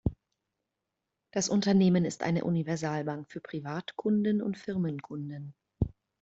Das Unternehmen ist eine Universalbank für Privatkunden und Firmenkunden.